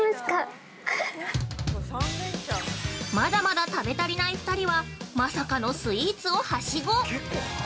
◆まだまだ食べたりない２人はまさかのスイーツをはしご！